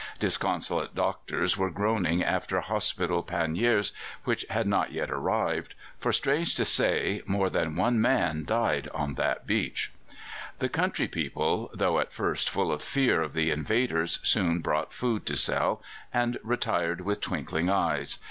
Disconsolate doctors were groaning after hospital panniers which had not yet arrived; for, strange to say, more than one man died on that beach. The country people, though at first full of fear of the invaders, soon brought food to sell, and retired with twinkling eyes.